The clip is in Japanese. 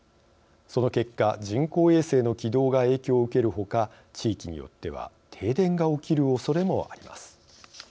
その結果、人工衛星の軌道が影響を受けるほか地域によっては停電が起きるおそれもあります。